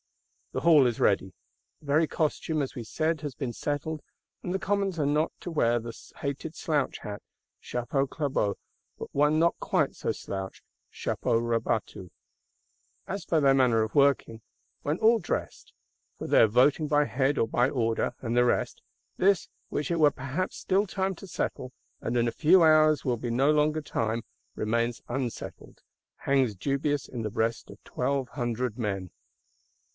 The Hall is ready: the very costume, as we said, has been settled; and the Commons are not to wear that hated slouch hat (chapeau clabaud), but one not quite so slouched (chapeau rabattu). As for their manner of working, when all dressed: for their "voting by head or by order" and the rest,—this, which it were perhaps still time to settle, and in few hours will be no longer time, remains unsettled; hangs dubious in the breast of Twelve Hundred men.